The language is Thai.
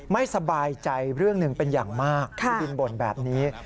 ไม่สบายใจเรื่องหนึ่งเป็นอย่างมากพี่บินบ่นแบบนี้